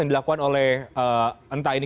yang dilakukan oleh entah ini